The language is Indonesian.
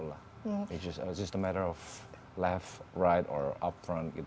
ini hanya masalah kiri kanan atau depan